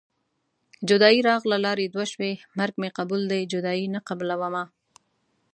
جدايي راغله لارې دوه شوې مرګ مې قبول دی جدايي نه قبلومه